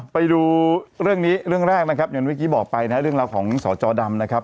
ไปดูเรื่องนี้เรื่องแรกนะครับอย่างเมื่อกี้บอกไปนะเรื่องราวของสจดำนะครับ